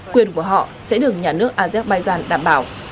quyền của họ sẽ được nhà nước azek bayzan đảm bảo